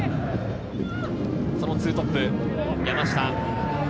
その２トップ山下。